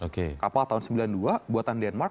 kapal tahun sembilan puluh dua buatan denmark